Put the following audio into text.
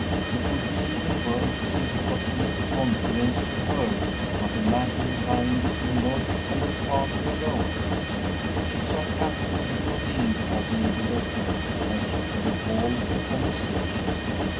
It would be even worse, since it was no confidence of hers, but a matter lying between Lloyd and her father alone. She sat tapping the rim of the ink bottle with her pen as she recalled the conversation.